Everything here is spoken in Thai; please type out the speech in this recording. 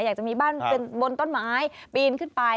อยากจะมีบ้านบนต้นไม้ปีนขึ้นไป